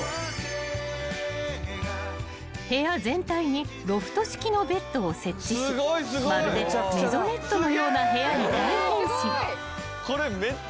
［部屋全体にロフト式のベッドを設置しまるでメゾネットのような部屋に大変身］